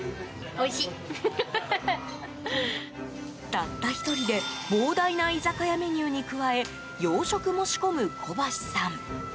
たった１人で膨大な居酒屋メニューに加え洋食も仕込む小橋さん。